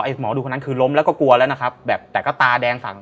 หมอดูคนนั้นคือล้มแล้วก็กลัวแล้วนะครับแบบแต่ก็ตาแดงสั่ง